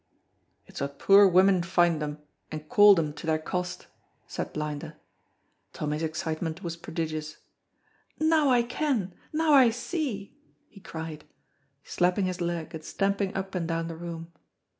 "It's what poor women find them and call them to their cost," said Blinder. Tommy's excitement was prodigious. "Now I ken, now I see!" he cried, slapping his leg and stamping up and down the room.